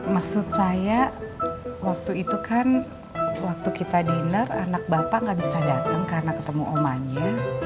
maksud saya waktu itu kan waktu kita dinner anak bapak gak bisa datang karena ketemu omanya